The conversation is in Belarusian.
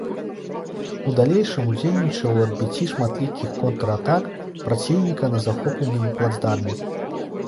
У далейшым удзельнічаў у адбіцці шматлікіх контратак праціўніка на захопленым плацдарме.